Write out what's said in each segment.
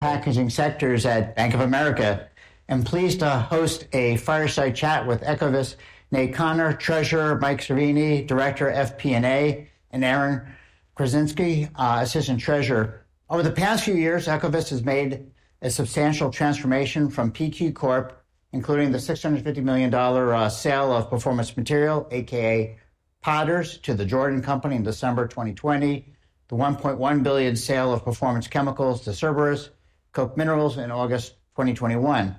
And Chemicals Conference at Bank of America. I'm pleased to host a fireside chat with Ecovyst's Nate Connor, Director of FP&A, Treasurer Mike Feehan, and Aaron Kazinski, Assistant Treasurer. Over the past few years, Ecovyst has made a substantial transformation from PQ Corp, including the $650 million sale of Performance Materials, a.k.a. Potters, to the Jordan Company in December 2020, the $1.1 billion sale of Performance Chemicals to Cerberus, Koch Minerals, in August 2021.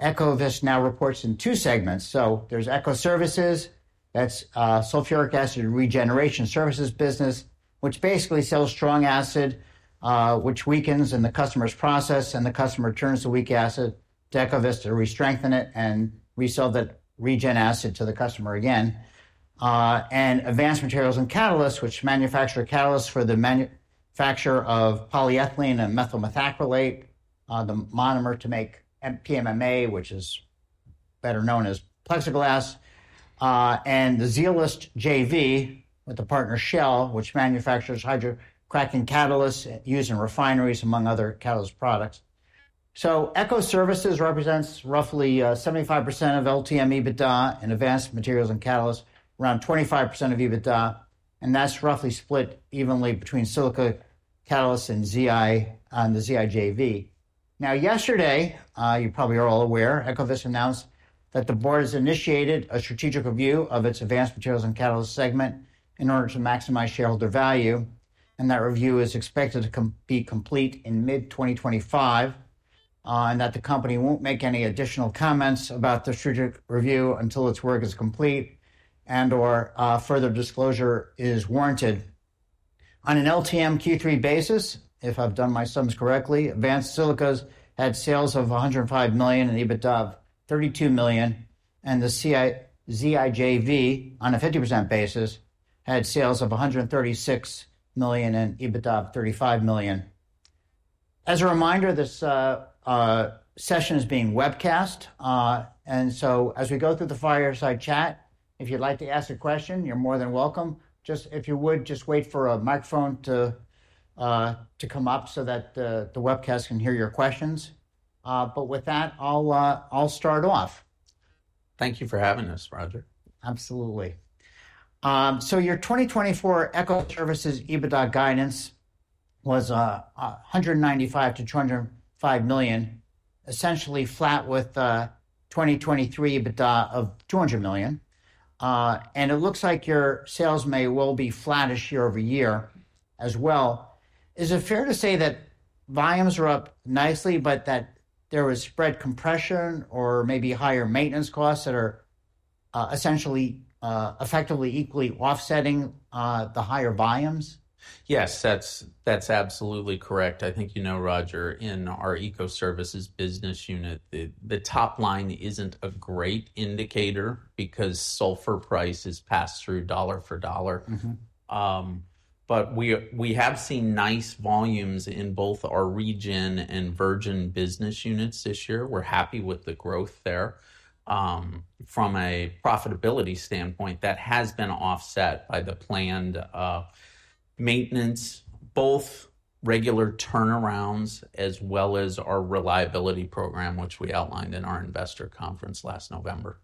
Ecovyst now reports in two segments, Ecoservices, that's sulfuric acid regeneration services business, which basically sells strong acid, which weakens in the customer's process, and the customer turns the weak acid to Ecovyst to re-strengthen it and resell that regen acid to the customer again, and Advanced Materials and Catalysts, which manufactures catalysts for the manufacture of polyethylene and methyl methacrylate, the monomer to make PMMA, which is better known as Plexiglas. The Zeolyst JV with a partner, Shell, which manufactures hydrocracking catalysts used in refineries, among other catalyst products. Ecoservices represents roughly 75% of LTM EBITDA and Advanced Materials and Catalysts, around 25% of EBITDA. That's roughly split evenly between Silica Catalysts and ZI and the ZI JV. Now, yesterday, you probably are all aware, Ecovyst announced that the board has initiated a strategic review of its Advanced Materials and Catalysts segment in order to maximize shareholder value. That review is expected to be complete in mid-2025, and that the company won't make any additional comments about the strategic review until its work is complete and/or further disclosure is warranted. On an LTM Q3 basis, if I've done my sums correctly, Advanced Materials had sales of $105 million and EBITDA of $32 million. The ZI JV, on a 50% basis, had sales of $136 million and EBITDA of $35 million. As a reminder, this session is being webcast. So as we go through the fireside chat, if you'd like to ask a question, you're more than welcome. Just if you would, just wait for a microphone to come up so that the webcast can hear your questions. With that, I'll start off. Thank you for having us, Roger. Absolutely. So your 2024 Ecoservices EBITDA guidance was $195 million-$205 million, essentially flat with 2023 EBITDA of $200 million. And it looks like your sales may well be flatter year over year as well. Is it fair to say that volumes are up nicely, but that there was spread compression or maybe higher maintenance costs that are essentially effectively equally offsetting the higher volumes? Yes, that's absolutely correct. I think you know, Roger, in our Ecoservices business unit, the top line isn't a great indicator because sulfur prices pass through dollar for dollar. But we have seen nice volumes in both our regeneration and virgin business units this year. We're happy with the growth there. From a profitability standpoint, that has been offset by the planned maintenance, both regular turnarounds as well as our reliability program, which we outlined in our investor conference last November.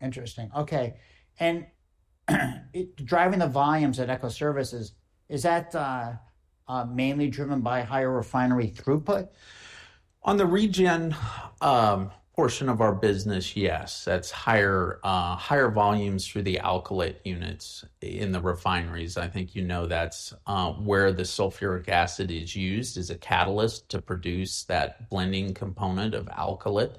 Interesting. Okay, and driving the volumes at Ecoservices, is that mainly driven by higher refinery throughput? On the regen portion of our business, yes. That's higher volumes through the alkylation units in the refineries. I think you know that's where the sulfuric acid is used as a catalyst to produce that blending component of alkylate.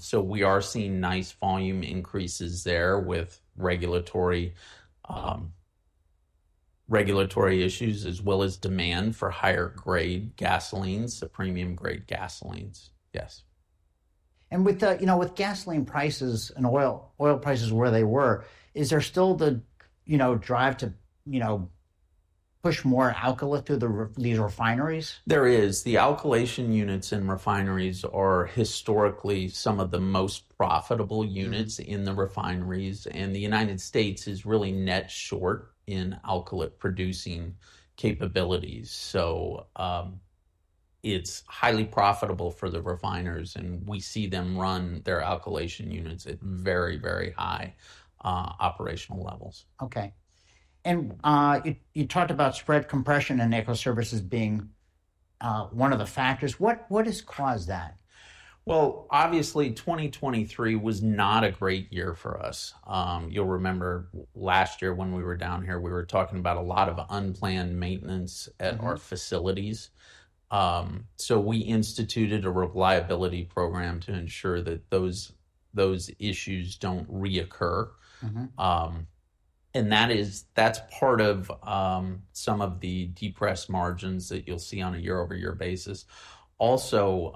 So we are seeing nice volume increases there with regulatory issues as well as demand for higher-grade gasolines, so premium-grade gasolines. Yes. With gasoline prices and oil prices where they were, is there still the drive to push more alkylate through these refineries? There is. The alkylation units in refineries are historically some of the most profitable units in the refineries. And the United States is really net short in alkylate producing capabilities. So it's highly profitable for the refiners. And we see them run their alkylation units at very, very high operational levels. Okay. And you talked about spread compression and Ecoservices being one of the factors. What has caused that? Obviously, 2023 was not a great year for us. You'll remember last year when we were down here, we were talking about a lot of unplanned maintenance at our facilities. So we instituted a reliability program to ensure that those issues don't reoccur. And that's part of some of the depressed margins that you'll see on a year-over-year basis. Also,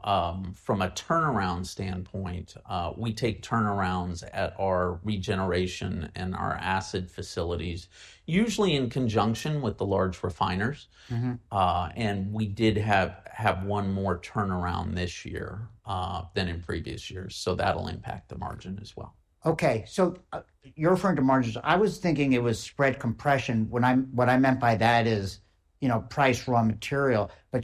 from a turnaround standpoint, we take turnarounds at our regeneration and our acid facilities, usually in conjunction with the large refiners. And we did have one more turnaround this year than in previous years. So that'll impact the margin as well. Okay. So you're referring to margins. I was thinking it was spread compression. What I meant by that is price raw material. But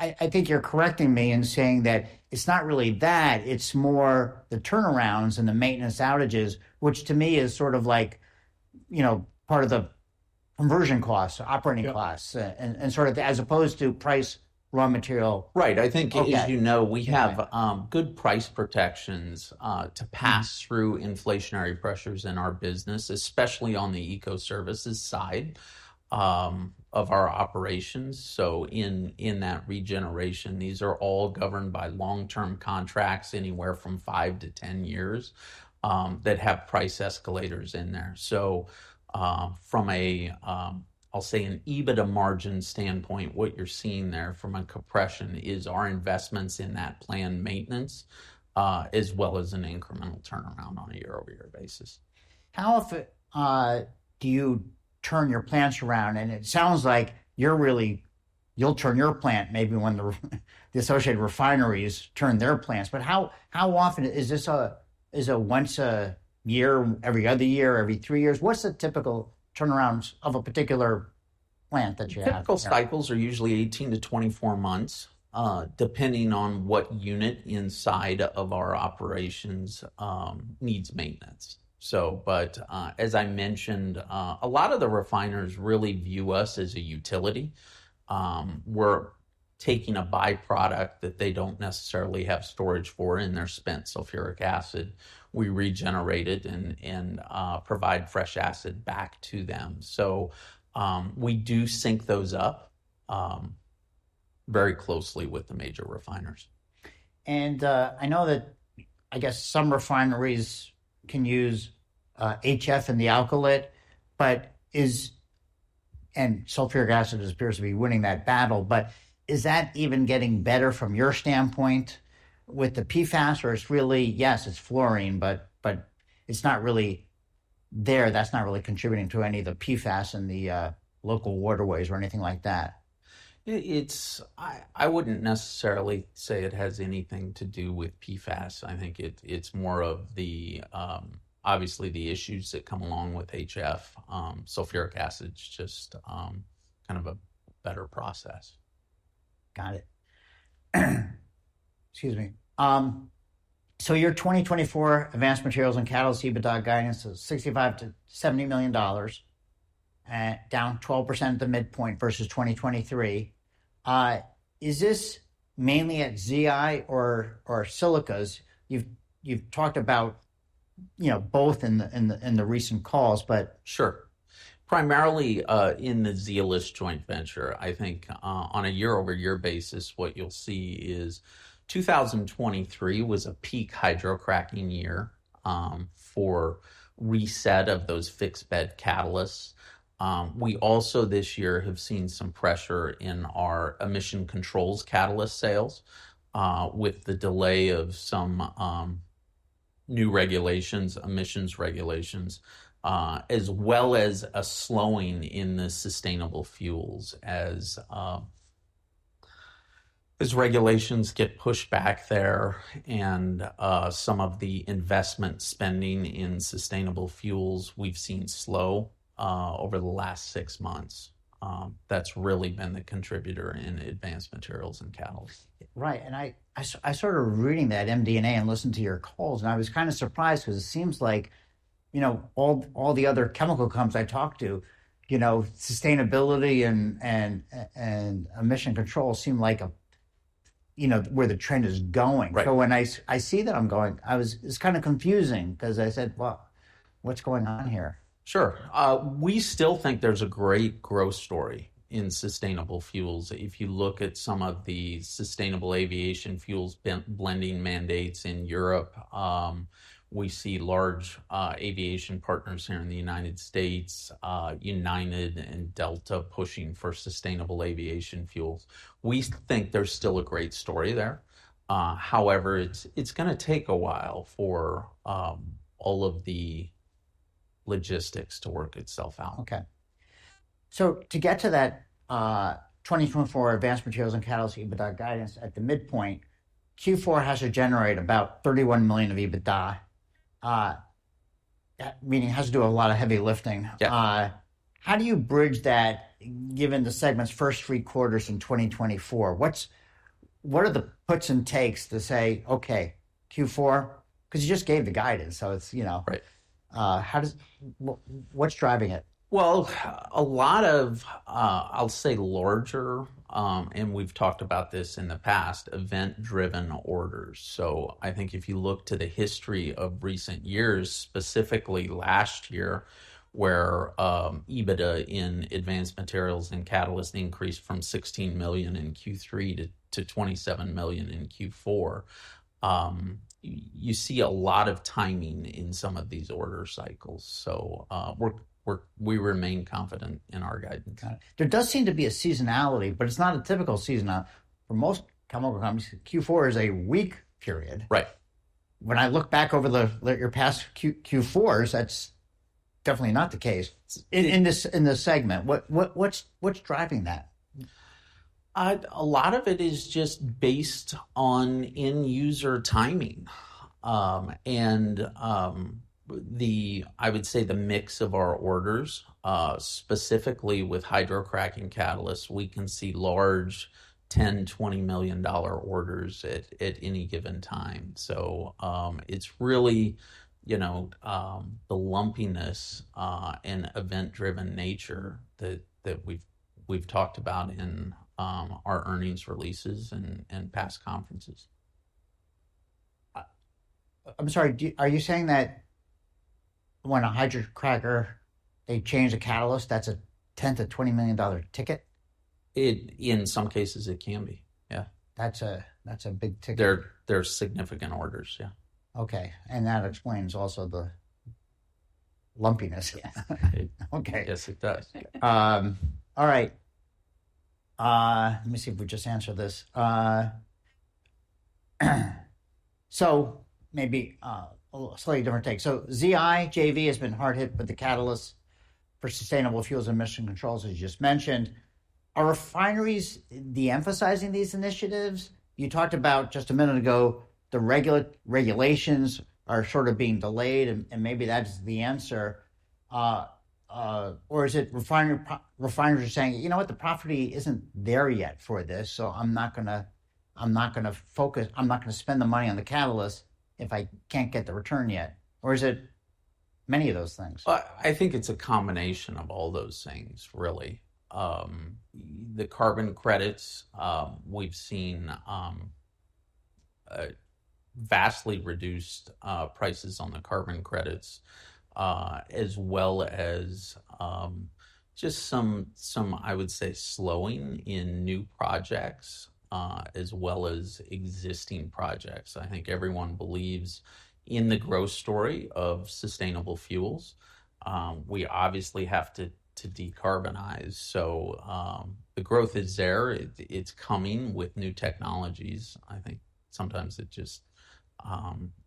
I think you're correcting me in saying that it's not really that. It's more the turnarounds and the maintenance outages, which to me is sort of like part of the conversion costs, operating costs, and sort of as opposed to price raw material. Right. I think, as you know, we have good price protections to pass through inflationary pressures in our business, especially on the Ecoservices side of our operations. So in that regeneration, these are all governed by long-term contracts anywhere from 5 to 10 years that have price escalators in there. So from a, I'll say, an EBITDA margin standpoint, what you're seeing there from a compression is our investments in that planned maintenance as well as an incremental turnaround on a year-over-year basis. How often do you turn your plants around? And it sounds like you'll turn your plant maybe when the associated refineries turn their plants. But how often is this a once a year, every other year, every three years? What's the typical turnarounds of a particular plant that you have? Typical cycles are usually 18 to 24 months, depending on what unit inside of our operations needs maintenance. But as I mentioned, a lot of the refiners really view us as a utility. We're taking a byproduct that they don't necessarily have storage for in their spent sulfuric acid. We regenerate it and provide fresh acid back to them. So we do sync those up very closely with the major refiners. And I know that, I guess, some refineries can use HF in the alkylation, and sulfuric acid appears to be winning that battle. But is that even getting better from your standpoint with the PFAS, or it's really, yes, it's fluorine, but it's not really there. That's not really contributing to any of the PFAS in the local waterways or anything like that. I wouldn't necessarily say it has anything to do with PFAS. I think it's more of, obviously, the issues that come along with HF. Sulfuric acid's just kind of a better process. Got it. Excuse me. So your 2024 Advanced Materials and Catalysts EBITDA guidance is $65 million-$70 million, down 12% at the midpoint versus 2023. Is this mainly at ZI or Silicas? You've talked about both in the recent calls, but. Sure. Primarily in the Zeolyst joint venture. I think on a year-over-year basis, what you'll see is 2023 was a peak hydrocracking year for reset of those fixed bed catalysts. We also this year have seen some pressure in our emissions controls catalyst sales with the delay of some new regulations, emissions regulations, as well as a slowing in the sustainable fuels as regulations get pushed back there, and some of the investment spending in sustainable fuels we've seen slow over the last six months. That's really been the contributor in advanced materials and catalysts. Right. And I started reading that MD&A and listened to your calls. And I was kind of surprised because it seems like all the other chemical comps I talked to, sustainability and emission control seem like where the trend is going. So when I see that I'm going, it's kind of confusing because I said, "Well, what's going on here? Sure. We still think there's a great growth story in sustainable fuels. If you look at some of the sustainable aviation fuels blending mandates in Europe, we see large aviation partners here in the United States, United and Delta pushing for sustainable aviation fuels. We think there's still a great story there. However, it's going to take a while for all of the logistics to work itself out. Okay. So to get to that 2024 Advanced Materials and Catalysts EBITDA guidance at the midpoint, Q4 has to generate about $31 million of EBITDA, meaning it has to do a lot of heavy lifting. How do you bridge that given the segment's first three quarters in 2024? What are the puts and takes to say, "Okay, Q4," because you just gave the guidance. So what's driving it? A lot of, I'll say, larger, and we've talked about this in the past, event-driven orders. I think if you look to the history of recent years, specifically last year, where EBITDA in Advanced Materials and Catalysts increased from $16 million in Q3 to $27 million in Q4, you see a lot of timing in some of these order cycles. We remain confident in our guidance. Got it. There does seem to be a seasonality, but it's not a typical seasonality. For most chemical companies, Q4 is a weak period. Right. When I look back over your past Q4s, that's definitely not the case in this segment. What's driving that? A lot of it is just based on end-user timing. And I would say the mix of our orders, specifically with hydrocracking catalysts, we can see large $10 million-$20 million orders at any given time. So it's really the lumpiness and event-driven nature that we've talked about in our earnings releases and past conferences. I'm sorry, are you saying that when a hydrocracker, they change a catalyst, that's a $10 million-$20 million ticket? In some cases, it can be. Yeah. That's a big ticket. They're significant orders. Yeah. Okay, and that explains also the lumpiness. Yes, it does. All right. Let me see if we just answered this. So maybe a slightly different take. So Zeolyst JV has been hard hit with the catalysts for sustainable fuels and emission controls, as you just mentioned. Are refineries de-emphasizing these initiatives? You talked about just a minute ago, the regulations are sort of being delayed, and maybe that's the answer. Or is it refineries are saying, "You know what? The property isn't there yet for this, so I'm not going to focus. I'm not going to spend the money on the catalyst if I can't get the return yet." Or is it many of those things? I think it's a combination of all those things, really. The carbon credits, we've seen vastly reduced prices on the carbon credits, as well as just some, I would say, slowing in new projects as well as existing projects. I think everyone believes in the growth story of sustainable fuels. We obviously have to decarbonize. So the growth is there. It's coming with new technologies. I think sometimes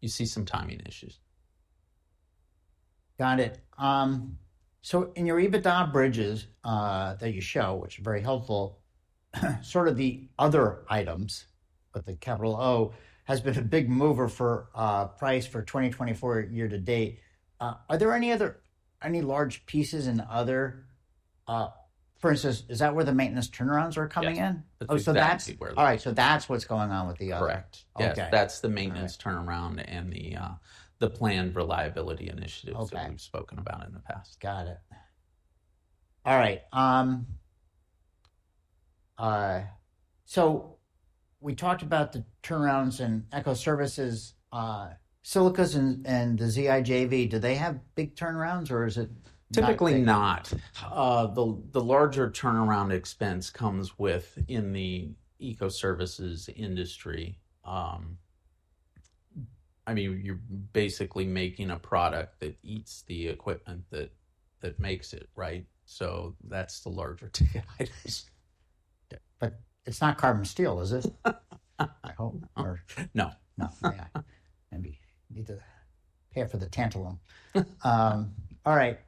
you see some timing issues. Got it. So in your EBITDA bridges that you show, which are very helpful, sort of the other items, but the capital O has been a big mover for price for 2024 year to date. Are there any large pieces in other? For instance, is that where the maintenance turnarounds are coming in? Yes. That's exactly where they are. All right, so that's what's going on with the other. Correct. Okay. Yeah. That's the maintenance turnaround and the planned reliability initiatives that we've spoken about in the past. Got it. All right. So we talked about the turnarounds in Ecoservices. Silicas and the Zeolyst JV, do they have big turnarounds, or is it not? Typically not. The larger turnaround expense comes within the Ecoservices industry. I mean, you're basically making a product that eats the equipment that makes it, right? So that's the larger ticket items. But it's not carbon steel, is it? I hope. No. No. Maybe need to pay for the tantalum. All right.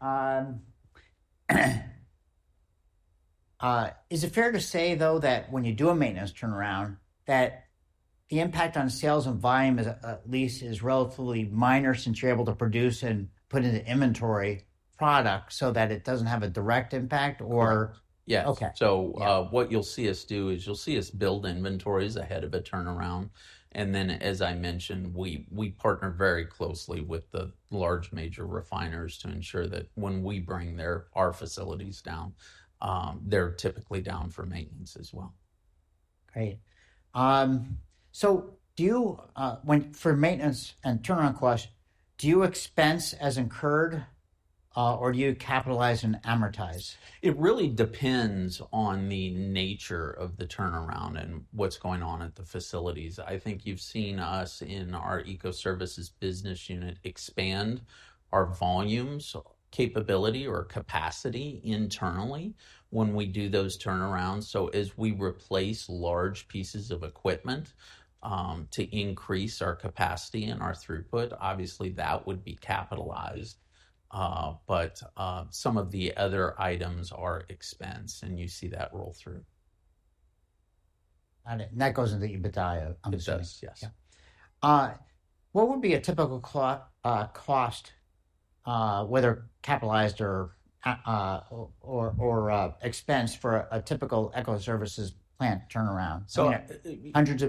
Is it fair to say, though, that when you do a maintenance turnaround, that the impact on sales and volume at least is relatively minor since you're able to produce and put into inventory products so that it doesn't have a direct impact? Yes. So what you'll see us do is you'll see us build inventories ahead of a turnaround. And then, as I mentioned, we partner very closely with the large major refiners to ensure that when we bring our facilities down, they're typically down for maintenance as well. Great, so for maintenance and turnaround costs, do you expense as incurred, or do you capitalize and amortize? It really depends on the nature of the turnaround and what's going on at the facilities. I think you've seen us in our Ecoservices business unit expand our volumes, capability, or capacity internally when we do those turnarounds. So as we replace large pieces of equipment to increase our capacity and our throughput, obviously, that would be capitalized. But some of the other items are expense, and you see that roll through. Got it. And that goes into EBITDA, I'm assuming. Exactly. Yes. What would be a typical cost, whether capitalized or expense, for a typical Ecoservices plant turnaround? So hundreds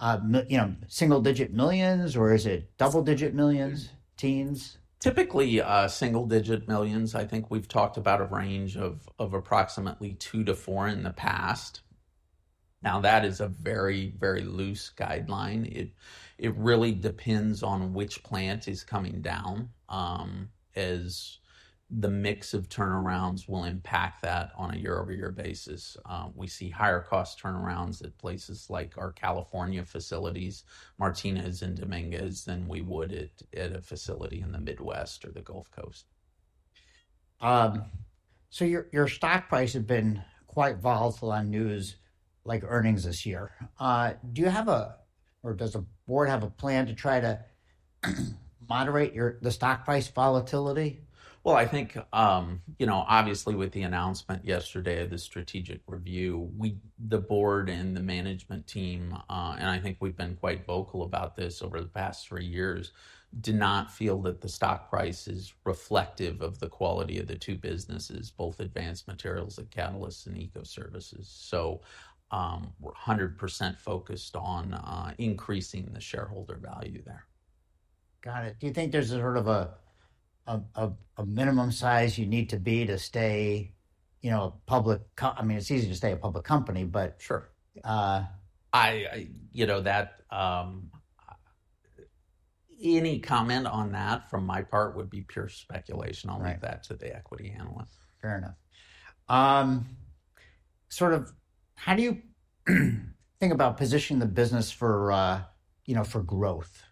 of single-digit millions, or is it double-digit millions, teens? Typically, single-digit millions. I think we've talked about a range of approximately $2-$4 in the past. Now, that is a very, very loose guideline. It really depends on which plant is coming down as the mix of turnarounds will impact that on a year-over-year basis. We see higher cost turnarounds at places like our California facilities, Martinez and Dominguez, than we would at a facility in the Midwest or the Gulf Coast. So your stock price has been quite volatile on news like earnings this year. Do you have a, or does the board have a plan to try to moderate the stock price volatility? Well, I think, obviously, with the announcement yesterday of the strategic review, the board and the management team, and I think we've been quite vocal about this over the past three years, did not feel that the stock price is reflective of the quality of the two businesses, both Advanced Materials and Catalysts and Ecoservices. So we're 100% focused on increasing the shareholder value there. Got it. Do you think there's sort of a minimum size you need to be to stay a public? I mean, it's easy to stay a public company, but. Sure. Any comment on that from my part would be pure speculation. I'll leave that to the equity analyst. Fair enough. Sort of how do you think about positioning the business for growth?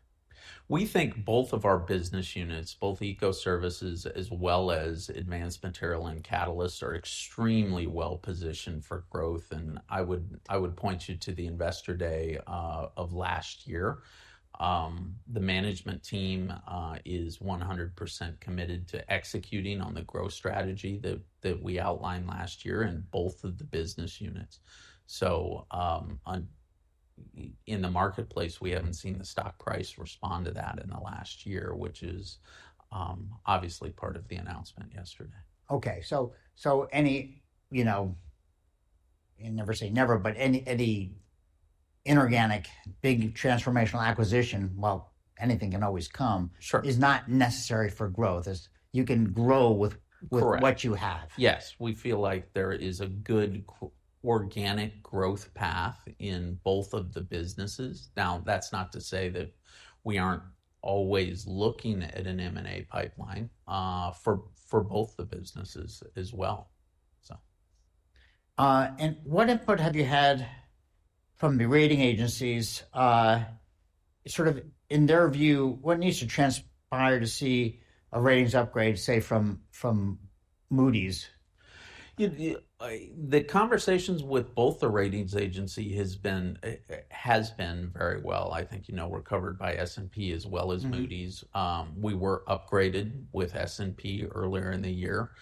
We think both of our business units, both Ecoservices as well as Advanced Materials and Catalysts, are extremely well-positioned for growth. And I would point you to the investor day of last year. The management team is 100% committed to executing on the growth strategy that we outlined last year in both of the business units. So in the marketplace, we haven't seen the stock price respond to that in the last year, which is obviously part of the announcement yesterday. Okay, so you never say never, but any inorganic big transformational acquisition, well, anything can always come, is not necessary for growth. You can grow with what you have. Yes. We feel like there is a good organic growth path in both of the businesses. Now, that's not to say that we aren't always looking at an M&A pipeline for both the businesses as well. What input have you had from the rating agencies? Sort of in their view, what needs to transpire to see a ratings upgrade, say, from Moody's? The conversations with both the ratings agency has been very well. I think we're covered by S&P as well as Moody's. We were upgraded with S&P earlier in the year.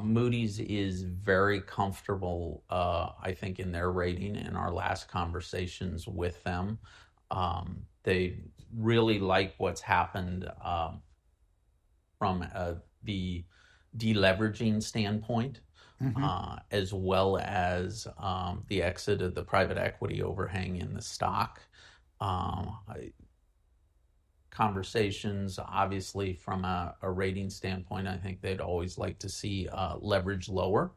Moody's is very comfortable, I think, in their rating in our last conversations with them. They really like what's happened from the deleveraging standpoint as well as the exit of the private equity overhang in the stock. Conversations, obviously, from a rating standpoint, I think they'd always like to see leverage lower.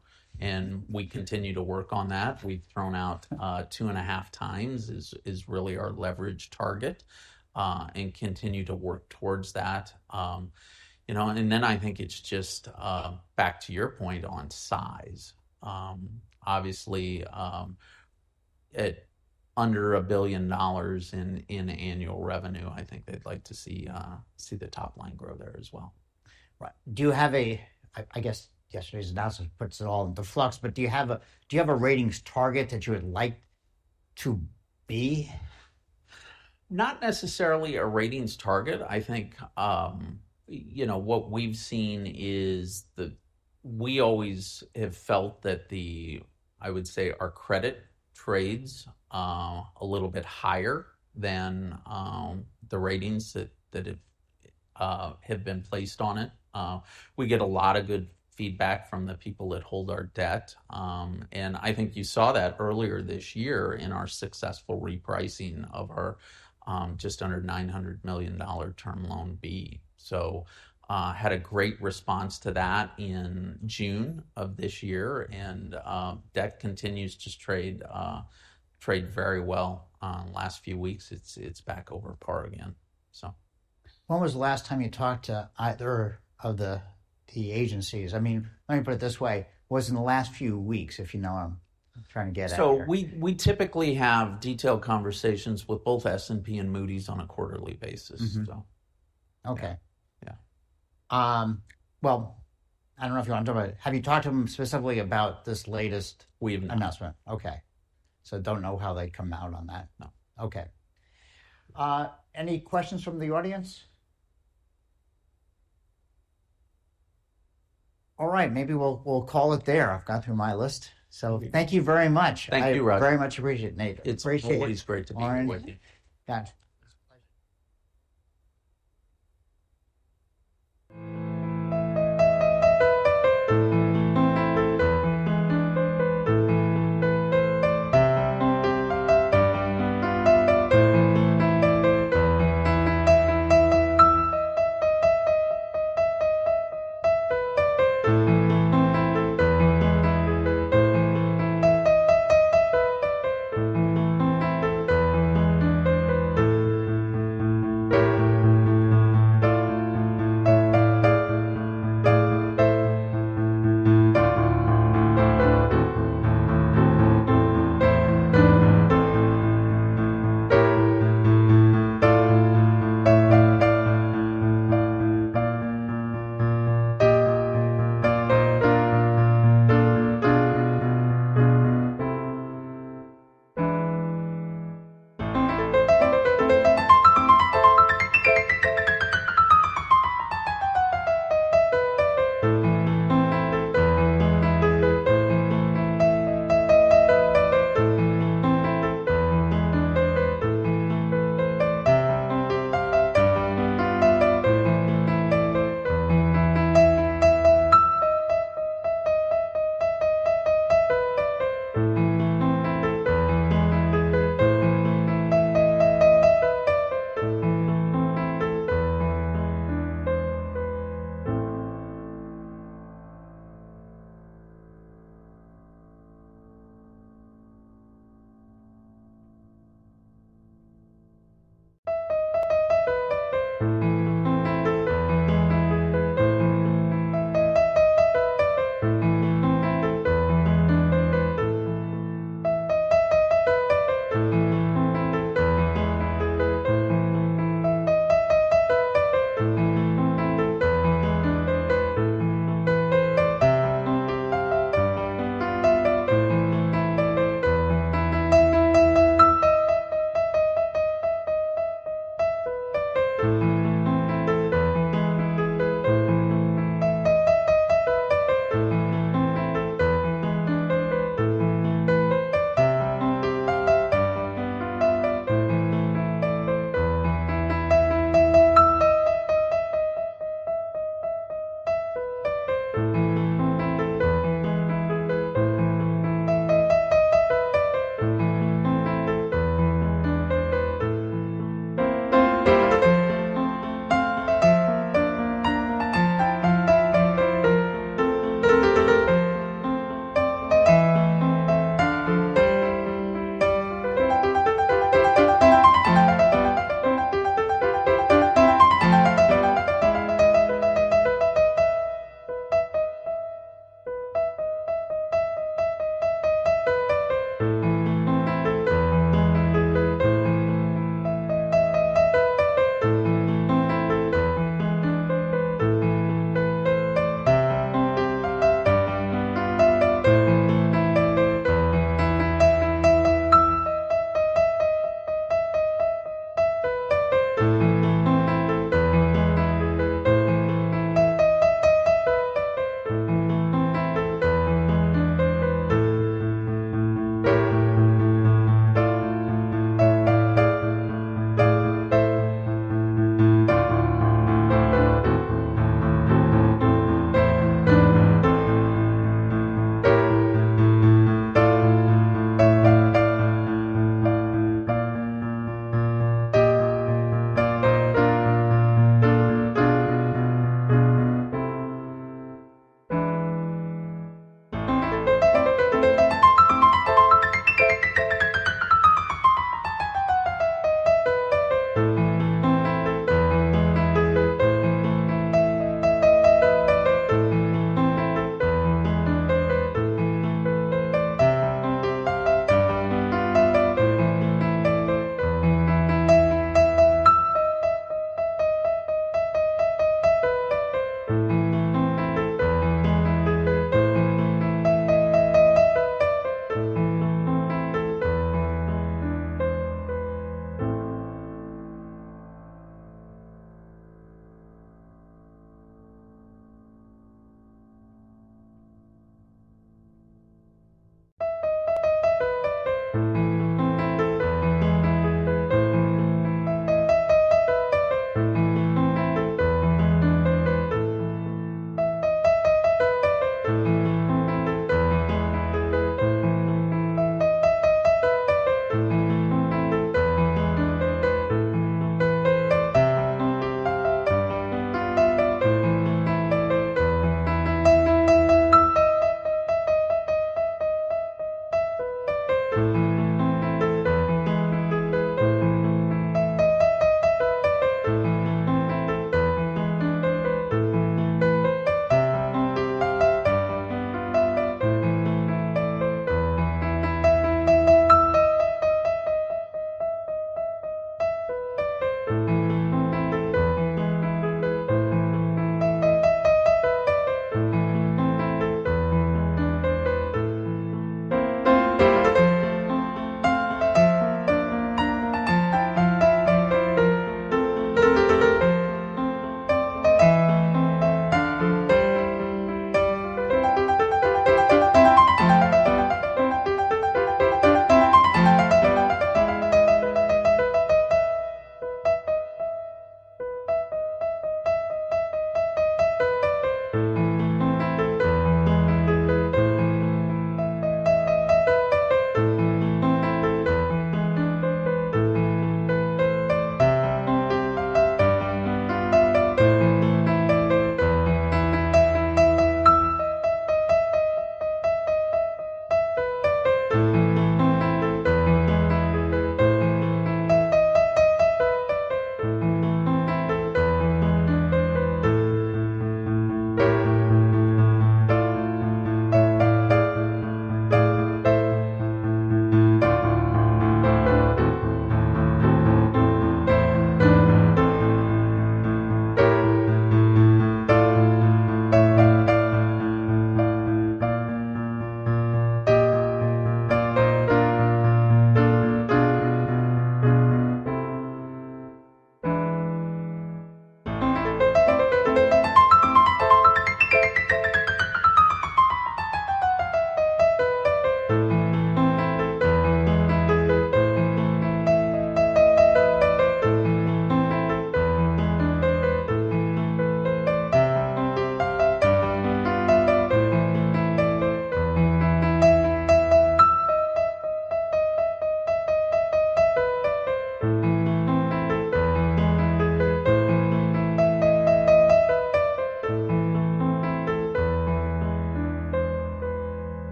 We continue to work on that. We've thrown out two and a half times is really our leverage target and continue to work towards that. Then I think it's just back to your point on size. Obviously, at under $1 billion in annual revenue, I think they'd like to see the top line grow there as well. Right. Do you have a, I guess yesterday's announcement puts it all in the flux, but do you have a ratings target that you would like to be? Not necessarily a ratings target. I think what we've seen is we always have felt that the, I would say, our credit trades a little bit higher than the ratings that have been placed on it. We get a lot of good feedback from the people that hold our debt. And I think you saw that earlier this year in our successful repricing of our just under $900 million term loan B. So had a great response to that in June of this year. And debt continues to trade very well. Last few weeks, it's back over par again. When was the last time you talked to either of the agencies? I mean, let me put it this way. Was it in the last few weeks, if you know? I'm trying to get at that. So we typically have detailed conversations with both S&P and Moody's on a quarterly basis. Okay. Yeah. I don't know if you want to talk about it. Have you talked to them specifically about this latest announcement? We haven't. Okay, so don't know how they come out on that? No. Okay. Any questions from the audience? All right. Maybe we'll call it there. I've gone through my list. So thank you very much. Thank you, Roger. Very much appreciated. It's a pleasure. Appreciate it. It's always great to be here with you. Got it. Packaging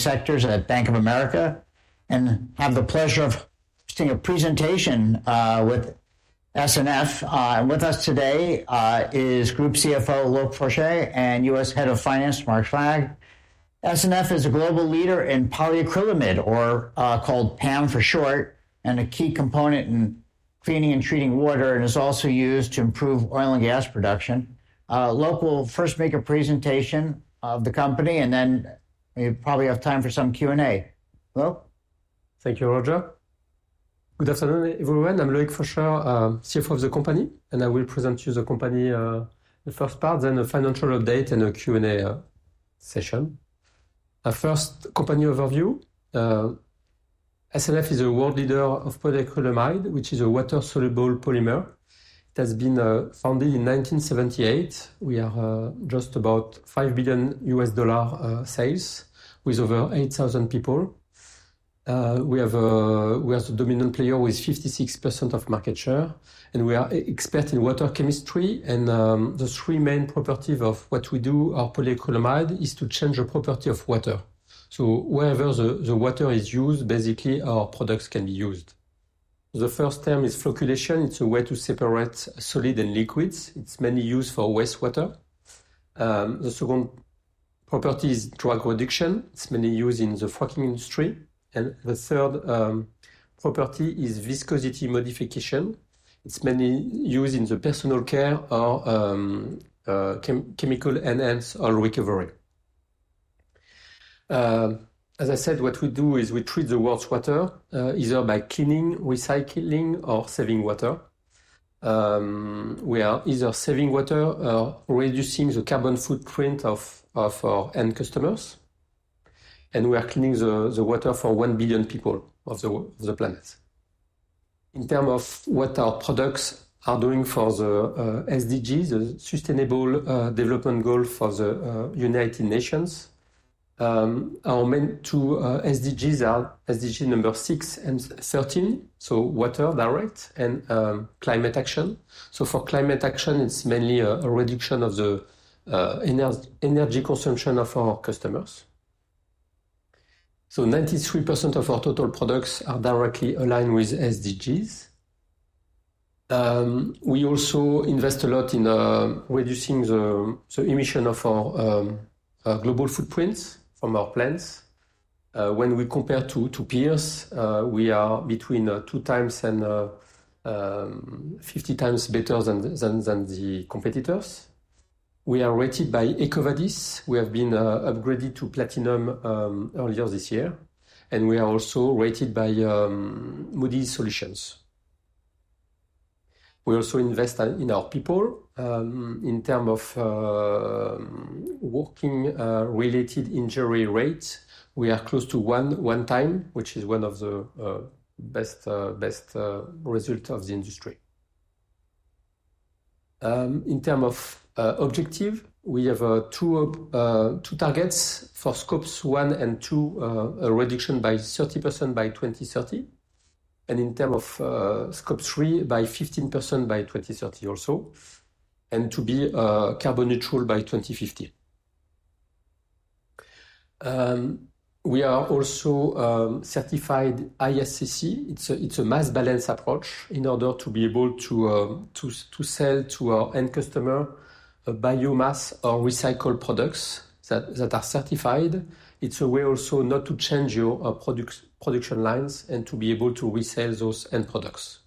sectors at Bank of America, and have the pleasure of seeing a presentation with SNF, and with us today is Group CFO, Luc Fourchet, and U.S. Head of Finance, Mark Feehan. SNF is a global leader in polyacrylamide, or called PAM for short, and a key component in cleaning and treating water, and is also used to improve oil and gas production. Luc, we'll first make a presentation of the company, and then we probably have time for some Q&A. Luc? Thank you, Roger. Good afternoon, everyone. I'm Luc Fourchet, CFO of the company, and I will present to you the company, the first part, then a financial update and a Q&A session. A first company overview. SNF is a world leader of polyacrylamide, which is a water-soluble polymer. It has been founded in 1978. We are just about five billion U.S. dollars sales with over 8,000 people. We have a, we are the dominant player with 56% of market share, and we are experts in water chemistry. The three main properties of what we do, our polyacrylamide, is to change the property of water. So wherever the water is used, basically our products can be used. The first term is flocculation. It's a way to separate solids and liquids. It's mainly used for wastewater. The second property is drag reduction. It's mainly used in the fracking industry. And the third property is viscosity modification. It's mainly used in enhanced oil recovery. As I said, what we do is we treat the world's water, either by cleaning, recycling, or saving water. We are either saving water or reducing the carbon footprint of our end customers. We are cleaning the water for one billion people of the planet. In terms of what our products are doing for the SDGs, the Sustainable Development Goals for the United Nations, our main two SDGs are SDG number six and 13, so clean water and climate action. For climate action, it is mainly a reduction of the energy consumption of our customers. 93% of our total products are directly aligned with SDGs. We also invest a lot in reducing the emissions of our global footprint from our plants. When we compare to peers, we are between two times and 50x better than the competitors. We are rated by EcoVadis. We have been upgraded to Platinum earlier this year. We are also rated by Moody's Solutions. We also invest in our people. In terms of work-related injury rates, we are close to one time, which is one of the best results of the industry. In terms of objectives, we have two targets for Scope 1 and 2, a reduction by 30% by 2030. And in terms of Scope 3, by 15% by 2030 also, and to be carbon neutral by 2050. We are also certified ISCC. It's a mass balance approach in order to be able to sell to our end customer biomass or recycled products that are certified. It's a way also not to change your production lines and to be able to resell those end products.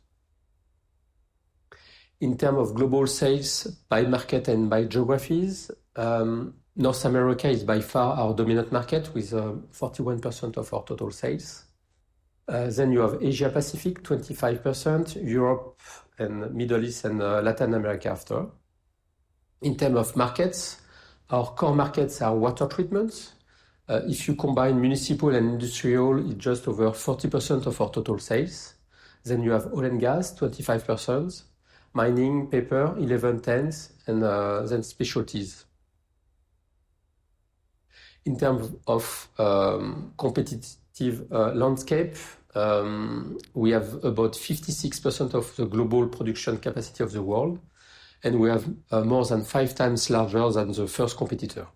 In terms of global sales by market and by geographies, North America is by far our dominant market with 41% of our total sales. Then you have Asia Pacific, 25%, Europe, and Middle East and Latin America after. In terms of markets, our core markets are water treatments. If you combine municipal and industrial, it's just over 40% of our total sales. Then you have oil and gas, 25%, mining, paper, 11%, and then specialties. In terms of competitive landscape, we have about 56% of the global production capacity of the world, and we have more than five times larger than the first competitor.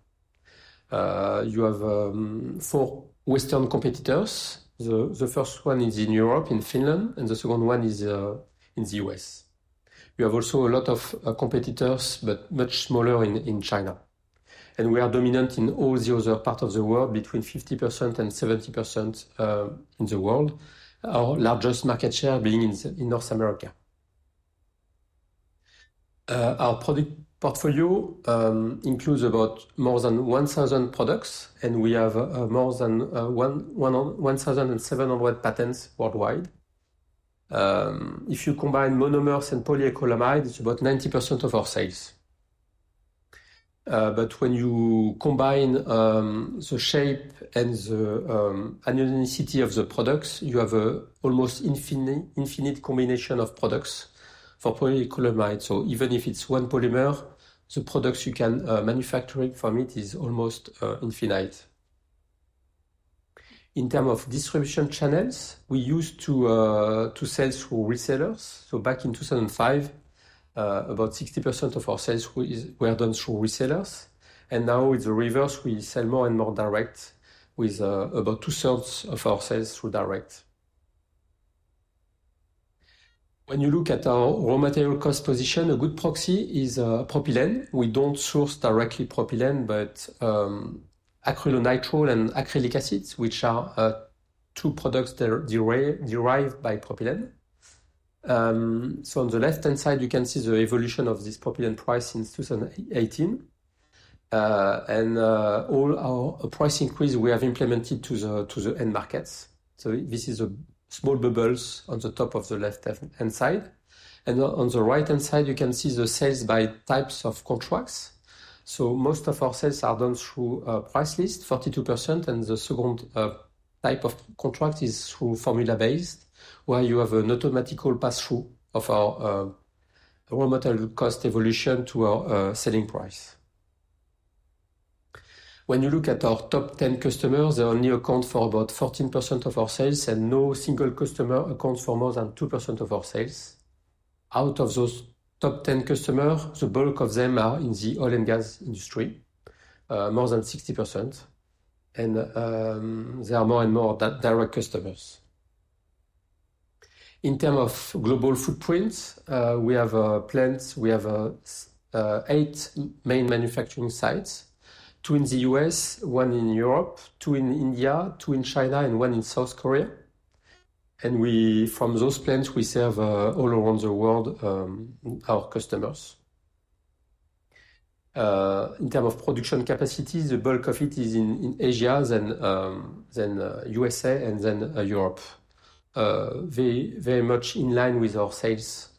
You have four Western competitors. The first one is in Europe, in Finland, and the second one is in the U.S. You have also a lot of competitors, but much smaller in China, and we are dominant in all the other parts of the world, between 50% and 70% in the world. Our largest market share being in North America. Our product portfolio includes about more than 1,000 products, and we have more than 1,700 patents worldwide. If you combine monomers and polyacrylamide, it's about 90% of our sales. But when you combine the shape and the uniqueness of the products, you have an almost infinite combination of products for polyacrylamide. So even if it's one polymer, the products you can manufacture from it are almost infinite. In terms of distribution channels, we used to sell through resellers. So back in 2005, about 60% of our sales were done through resellers. And now it's the reverse. We sell more and more direct, with about two-thirds of our sales through direct. When you look at our raw material cost position, a good proxy is propylene. We don't source directly propylene, but acrylonitrile and acrylic acid, which are two products derived from propylene. So on the left-hand side, you can see the evolution of this propylene price since 2018. All our price increase, we have implemented to the end markets. This is a small bubble on the top of the left-hand side. On the right-hand side, you can see the sales by types of contracts. Most of our sales are done through price list, 42%, and the second type of contract is through formula-based, where you have an automatic pass-through of our raw material cost evolution to our selling price. When you look at our top 10 customers, they only account for about 14% of our sales, and no single customer accounts for more than 2% of our sales. Out of those top 10 customers, the bulk of them are in the oil and gas industry, more than 60%. There are more and more direct customers. In terms of global footprints, we have plants. We have eight main manufacturing sites: two in the U.S., one in Europe, two in India, two in China, and one in South Korea. And from those plants, we serve all around the world our customers. In terms of production capacities, the bulk of it is in Asia and the U.S.A. and then Europe, very much in line with our sales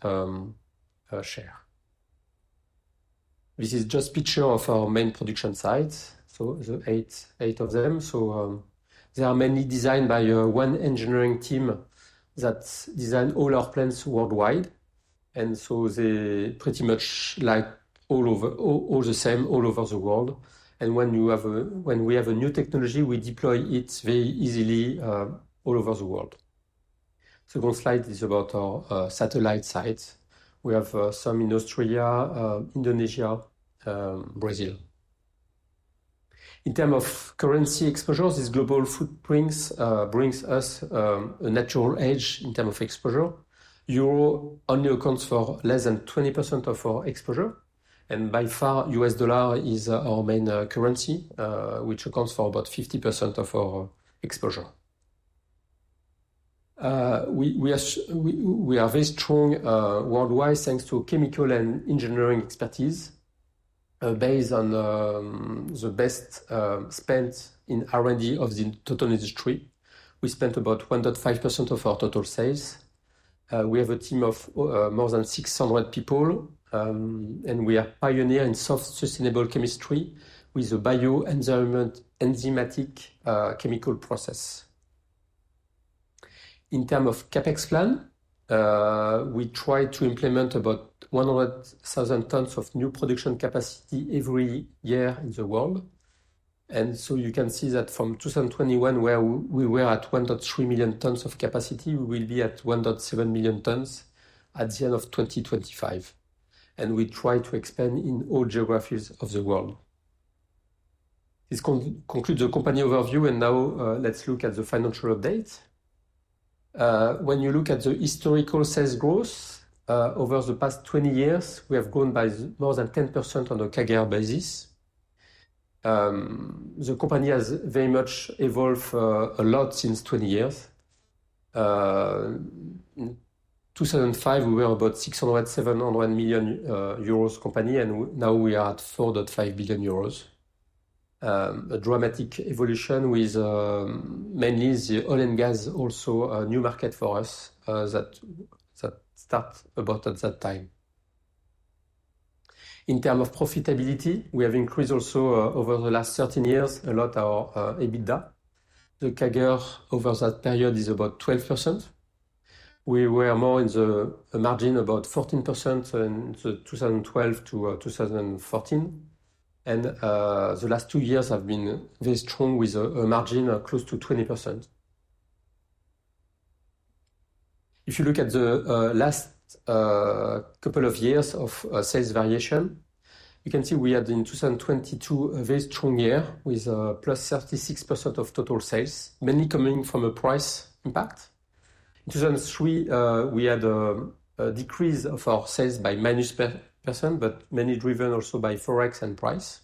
share. This is just a picture of our main production sites, so the eight of them. So they are mainly designed by one engineering team that designs all our plants worldwide. And so they're pretty much like all over, all the same, all over the world. And when we have a new technology, we deploy it very easily all over the world. The second slide is about our satellite sites. We have some in Austria, Indonesia, Brazil. In terms of currency exposures, this global footprint brings us a natural edge in terms of exposure. Euro only accounts for less than 20% of our exposure, and by far, U.S. dollar is our main currency, which accounts for about 50% of our exposure. We are very strong worldwide thanks to chemical and engineering expertise based on the best spent in R&D of the total industry. We spent about 1.5% of our total sales. We have a team of more than 600 people, and we are pioneers in soft sustainable chemistry with a bioenzymatic chemical process. In terms of CapEx plan, we try to implement about 100,000 tons of new production capacity every year in the world, and so you can see that from 2021, where we were at 1.3 million tons of capacity, we will be at 1.7 million tons at the end of 2025. We try to expand in all geographies of the world. This concludes the company overview, and now let's look at the financial update. When you look at the historical sales growth over the past 20 years, we have grown by more than 10% on a CAGR basis. The company has very much evolved a lot since 20 years. In 2005, we were about 600 million-700 million euro company, and now we are at 4.5 billion euros. A dramatic evolution with mainly the oil and gas also a new market for us that started about at that time. In terms of profitability, we have increased also over the last 13 years a lot our EBITDA. The CAGR over that period is about 12%. We were more in the margin about 14% in 2012 to 2014. The last two years have been very strong with a margin close to 20%. If you look at the last couple of years of sales variation, you can see we had in 2022 a very strong year with +36% of total sales, mainly coming from a price impact. In 2023, we had a decrease of our sales by minus percent, but mainly driven also by Forex and price,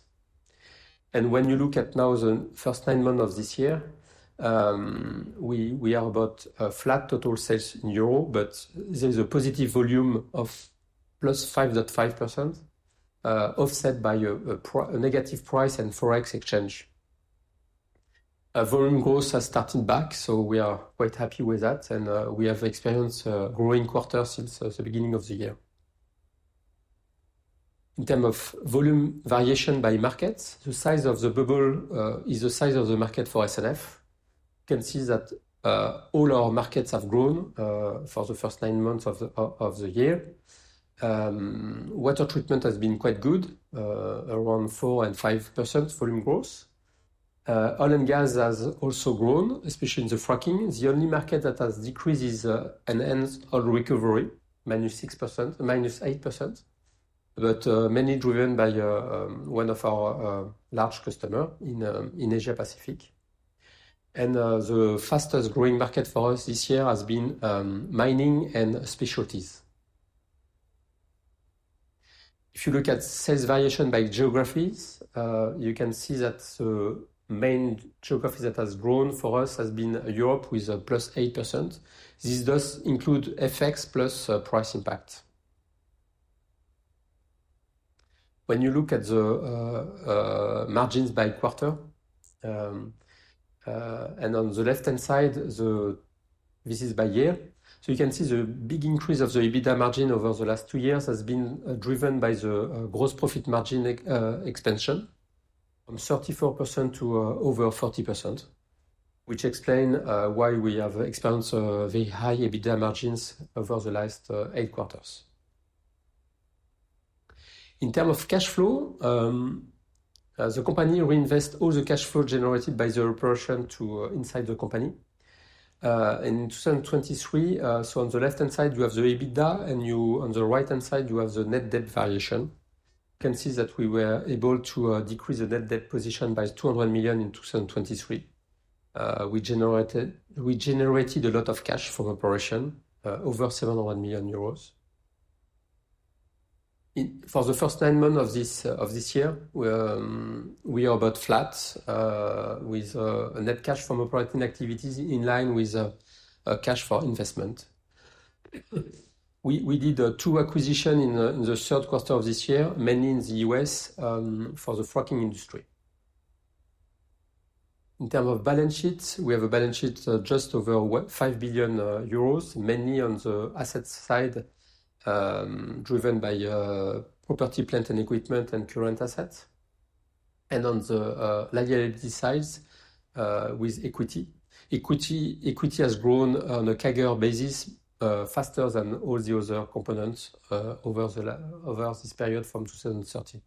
and when you look at now the first nine months of this year, we are about a flat total sales in euros, but there is a positive volume of +5.5% offset by a negative price and Forex exchange. Volume growth has started back, so we are quite happy with that, and we have experienced a growing quarter since the beginning of the year. In terms of volume variation by markets, the size of the bubble is the size of the market for SNF. You can see that all our markets have grown for the first nine months of the year. Water treatment has been quite good, around 4% and 5% volume growth. Oil and gas has also grown, especially in the fracking. The only market that has decreased is enhanced oil recovery, -6% to -8%, but mainly driven by one of our large customers in Asia Pacific, and the fastest growing market for us this year has been mining and specialties. If you look at sales variation by geographies, you can see that the main geography that has grown for us has been Europe with +8%. This does include FX plus price impact. When you look at the margins by quarter, and on the left-hand side, this is by year. You can see the big increase of the EBITDA margin over the last two years has been driven by the gross profit margin expansion from 34% to over 40%, which explains why we have experienced very high EBITDA margins over the last eight quarters. In terms of cash flow, the company reinvests all the cash flow generated by the operation inside the company. In 2023, so on the left-hand side, you have the EBITDA, and on the right-hand side, you have the net debt variation. You can see that we were able to decrease the net debt position by 200 million in 2023. We generated a lot of cash from operation, over 700 million euros. For the first nine months of this year, we are about flat with net cash from operating activities in line with cash for investment. We did two acquisitions in the third quarter of this year, mainly in the U.S. for the fracking industry. In terms of balance sheets, we have a balance sheet just over 5 billion euros, mainly on the assets side driven by property, plant, and equipment, and current assets. On the liability side with equity. Equity has grown on a CAGR basis faster than all the other components over this period from 2013.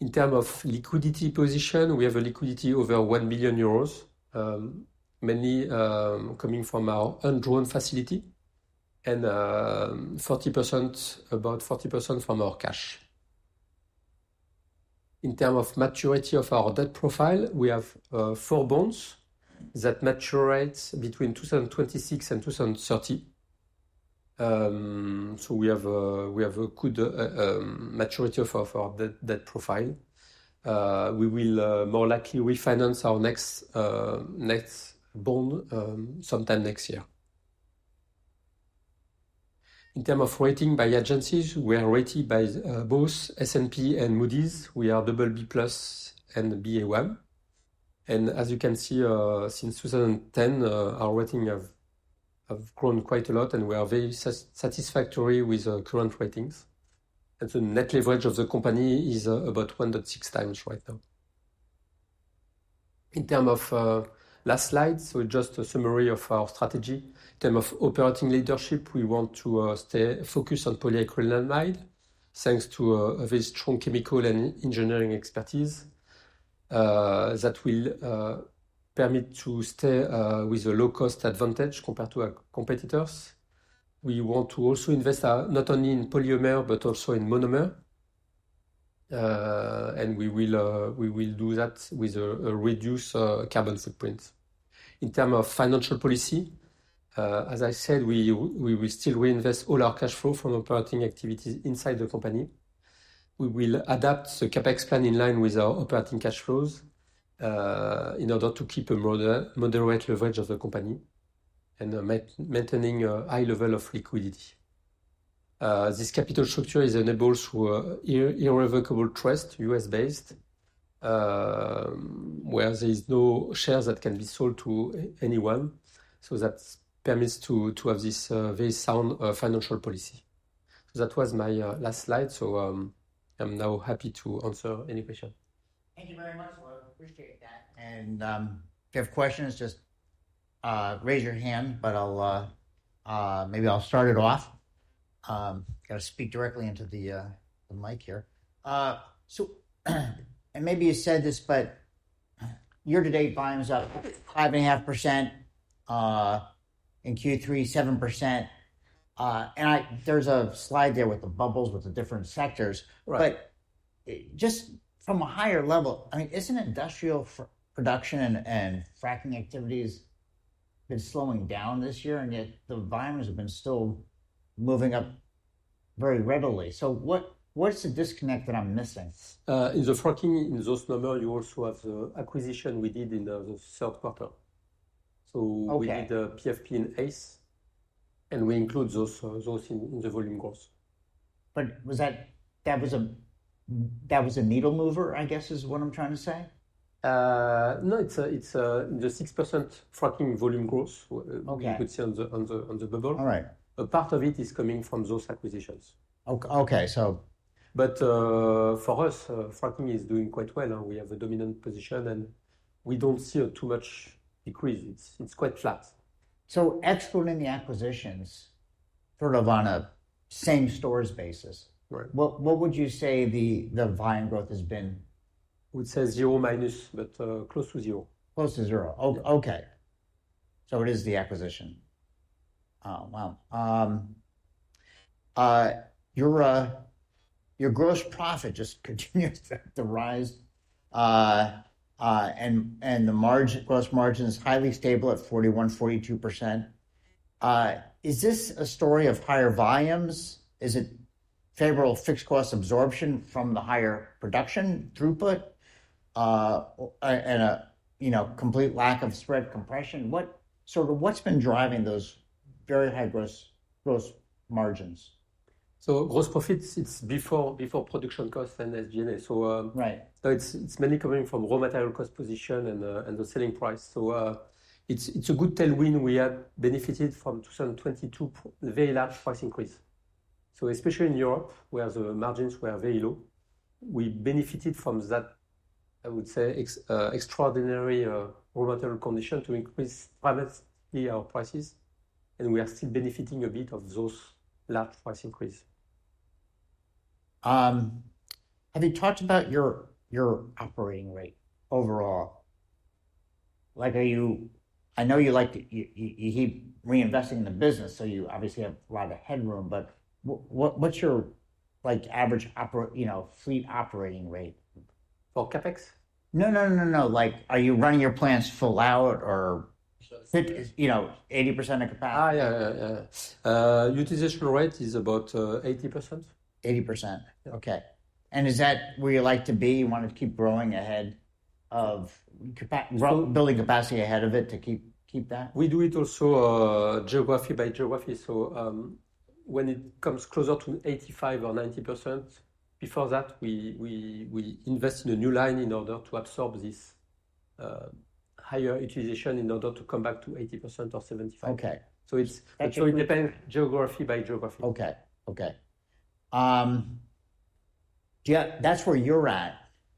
In terms of liquidity position, we have a liquidity over 1 million euros, mainly coming from our own drawn facility and about 40% from our cash. In terms of maturity of our debt profile, we have four bonds that mature between 2026 and 2030. We have a good maturity of our debt profile. We will more likely refinance our next bond sometime next year. In terms of rating by agencies, we are rated by both S&P and Moody's. We are double B plus and Ba1. And as you can see, since 2010, our rating has grown quite a lot, and we are very satisfactory with current ratings. And the net leverage of the company is about 1.6x right now. In terms of last slide, so just a summary of our strategy. In terms of operating leadership, we want to stay focused on polyacrylamide thanks to a very strong chemical and engineering expertise that will permit us to stay with a low-cost advantage compared to our competitors. We want to also invest not only in polymer but also in monomer. And we will do that with a reduced carbon footprint. In terms of financial policy, as I said, we will still reinvest all our cash flow from operating activities inside the company. We will adapt the CapEx plan in line with our operating cash flows in order to keep a moderate leverage of the company and maintain a high level of liquidity. This capital structure is enabled through irrevocable trust, U.S.-based, where there are no shares that can be sold to anyone. So that permits us to have this very sound financial policy. So that was my last slide. So I'm now happy to answer any questions. Thank you very much. We appreciate that, and if you have questions, just raise your hand, but maybe I'll start it off. I'm going to speak directly into the mic here, and maybe you said this, but year-to-date volume is up 5.5%. In Q3, 7%. And there's a slide there with the bubbles with the different sectors. But just from a higher level, I mean, isn't industrial production and fracking activities been slowing down this year? And yet the volumes have been still moving up very readily. So what's the disconnect that I'm missing? In the fracking, in those numbers, you also have the acquisition we did in the third quarter. So we did PFP and ACE. And we include those in the volume growth. But that was a needle mover, I guess, is what I'm trying to say. No, it's in the 6% fracking volume growth you could see on the bubble. All right. A part of it is coming from those acquisitions. Okay. So. But for us, fracking is doing quite well. We have a dominant position, and we don't see too much decrease. It's quite flat. So excluding the acquisitions sort of on a same-store basis. What would you say the volume growth has been? I would say zero minus, but close to zero. Close to zero. Okay. So it is the acquisition. Wow. Your gross profit just continues to rise. And the gross margin is highly stable at 41%-42%. Is this a story of higher volumes? Is it favorable fixed cost absorption from the higher production throughput and a complete lack of spread compression? What's been driving those very high gross margins? So gross profits, it's before production costs and SG&A. So it's mainly coming from raw material cost position and the selling price. So it's a good tailwind. We have benefited from 2022, a very large price increase. So especially in Europe, where the margins were very low, we benefited from that, I would say, extraordinary raw material condition to increase dramatically our prices. We are still benefiting a bit of those large price increases. Have you talked about your operating rate overall? I know you keep reinvesting in the business, so you obviously have a lot of headroom, but what's your average fleet operating rate? For CapEx? No, no, no, no. Are you running your plants full out or 80% of capacity? Yeah, yeah, yeah. Utilization rate is about 80%. 80%. Okay. And is that where you like to be? You want to keep growing ahead of building capacity ahead of it to keep that? We do it also geography by geography. So when it comes closer to 85% or 90%, before that, we invest in a new line in order to absorb this higher utilization in order to come back to 80% or 75%. So it depends geography by geography. Okay. Okay. That's where you're at,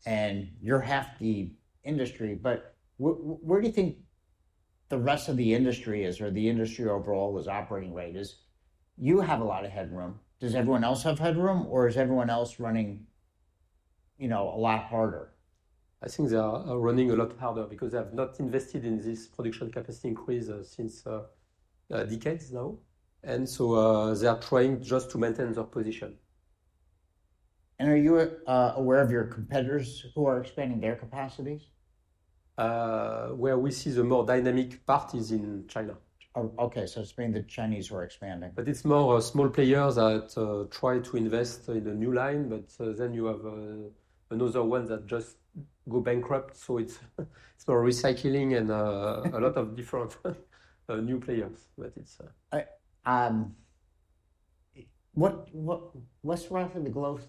and you're half the industry, but where do you think the rest of the industry is, or the industry overall, is operating rate? You have a lot of headroom. Does everyone else have headroom, or is everyone else running a lot harder? I think they are running a lot harder because they have not invested in this production capacity increase since decades now. And so they are trying just to maintain their position. And are you aware of your competitors who are expanding their capacities? Where we see the more dynamic part is in China. Okay. So it's being the Chinese who are expanding. But it's more small players that try to invest in a new line, but then you have another one that just go bankrupt. So it's more recycling and a lot of different new players. But it's. What's driving the growth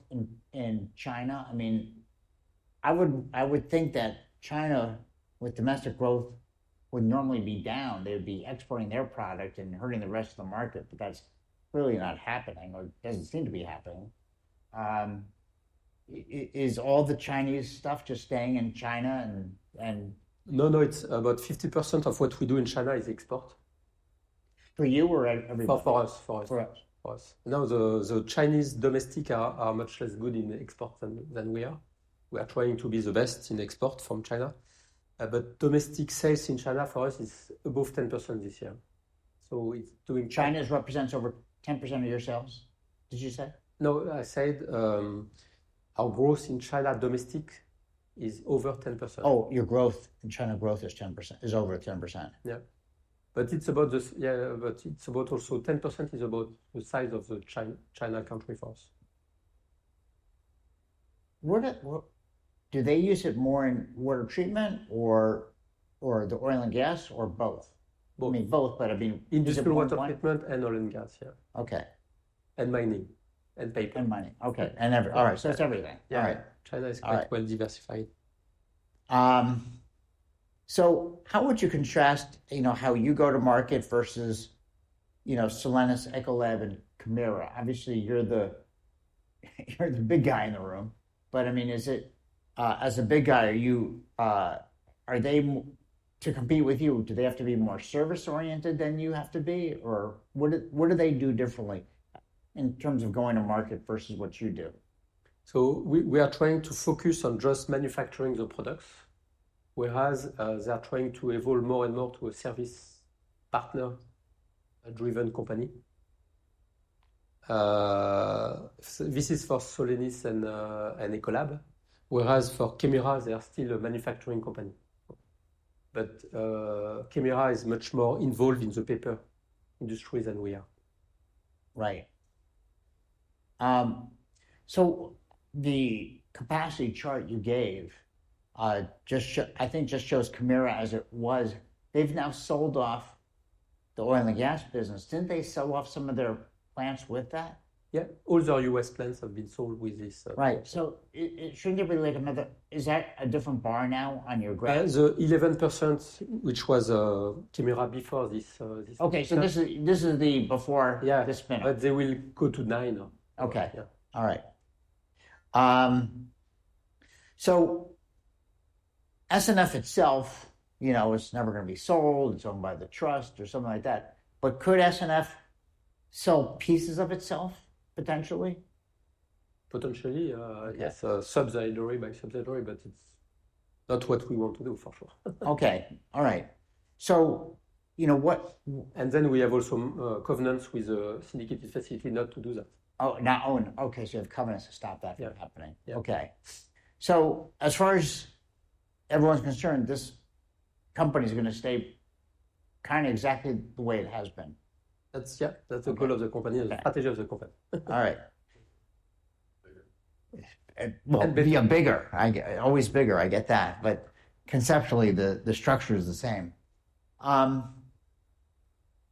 in China? I mean, I would think that China with domestic growth would normally be down. They would be exporting their product and hurting the rest of the market, but that's clearly not happening or doesn't seem to be happening. Is all the Chinese stuff just staying in China and. No, no, it's about 50% of what we do in China is export. For you or everybody? For us. For us. For us. Now the Chinese domestic are much less good in export than we are. We are trying to be the best in export from China. But domestic sales in China for us is above 10% this year. So it's doing... China represents over 10% of your sales, did you say? No, I said our growth in China domestic is over 10%. Oh, your growth in China growth is 10%, is over 10%. Yeah. But it's about the. Yeah, but it's about also 10% is about the size of the China country for us. Do they use it more in water treatment or the oil and gas or both? I mean, both, but I mean... Industrial water treatment and oil and gas, yeah. Okay. And mining and paper. And mining. Okay. And everything. All right. So that's everything. All right. China is quite well diversified. So how would you contrast how you go to market versus Solenis, Ecolab, and Kemira? Obviously, you're the big guy in the room. But I mean, as a big guy, are they to compete with you? Do they have to be more service-oriented than you have to be? Or what do they do differently in terms of going to market versus what you do? We are trying to focus on just manufacturing the products, whereas they are trying to evolve more and more to a service partner-driven company. This is for Solenis and Ecolab, whereas for Kemira, they are still a manufacturing company. But Kemira is much more involved in the paper industry than we are. Right. So the capacity chart you gave, I think, just shows Kemira as it was. They've now sold off the oil and gas business. Didn't they sell off some of their plants with that? Yeah. All the U.S. plants have been sold with this. Right. So shouldn't there be like another? Is that a different bar now on your graph? The 11%, which was Kemira before this. Okay. So this is the before this spin-off. But they will go to 9%. Okay. All right. So SNF itself, it's never going to be sold. It's owned by the trust or something like that, but could SNF sell pieces of itself potentially? Potentially, yes. Subsidiary by subsidiary, but it's not what we want to do for sure. Okay. All right. So you know what? And then we have also covenants with the syndicated facility not to do that. Oh, now owned. Okay. So you have covenants to stop that from happening. Yeah. Okay. So as far as everyone's concerned, this company is going to stay kind of exactly the way it has been. That's the goal of the company, the strategy of the company. All right. And be a bigger. Always bigger. I get that. But conceptually, the structure is the same.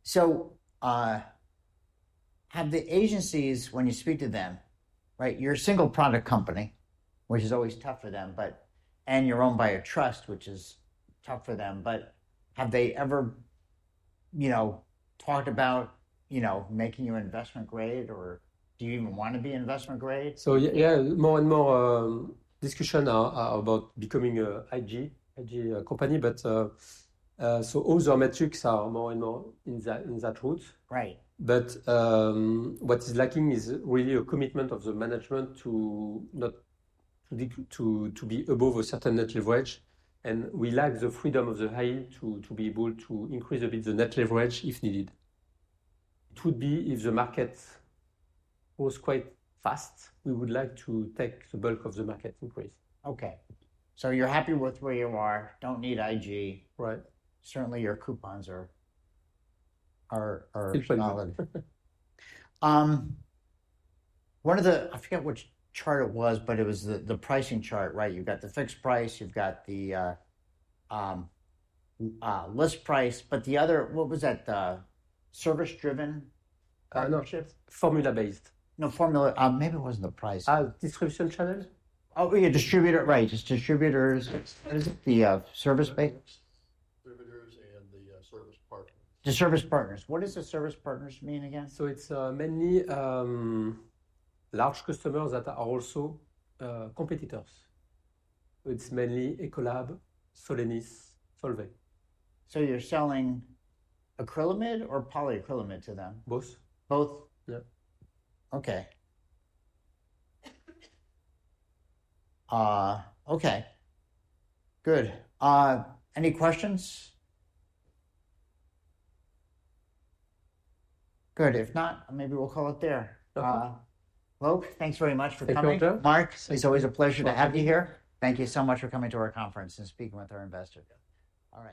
So have the agencies, when you speak to them, right? You're a single product company, which is always tough for them, and you're owned by a trust, which is tough for them. But have they ever talked about making you investment grade, or do you even want to be investment grade? So yeah, more and more discussion about becoming an IG company, but so all the metrics are more and more in that route. But what is lacking is really a commitment of the management to be below a certain net leverage. And we lack the freedom of the high yield to be able to increase a bit the net leverage if needed. It would be if the market grows quite fast, we would like to take the bulk of the market increase. Okay, so you're happy with where you are. Don't need IG. Certainly, your coupons are phenomenal. One of the, I forget which chart it was, but it was the pricing chart, right? You've got the fixed price, you've got the list price, but the other, what was that, service-driven? Formula-based. No, formula. Maybe it wasn't the price. Distribution channel. Oh, yeah, distributor, right. It's distributors. What is it? The service-based? Distributors and the service partners. The service partners. What does the service partners mean again? So it's mainly large customers that are also competitors. It's mainly Ecolab, Solenis, Solvay. So you're selling acrylamide or polyacrylamide to them? Both. Both? Yeah. Okay. Okay. Good. Any questions? Good. If not, maybe we'll call it there. Well, thanks very much for coming. Thank you, Mark. It's always a pleasure to have you here. Thank you so much for coming to our conference and speaking with our investor. All right.